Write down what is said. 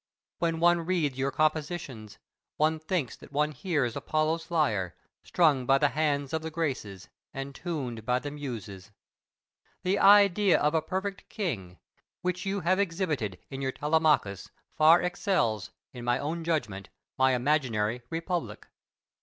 When one reads your compositions, one thinks that one hears Apollo's lyre, strung by the hands of the Graces, and tuned by the Muses. The idea of a perfect king, which you have exhibited in your "Telemachus," far excels, in my own judgment, my imaginary "Republic."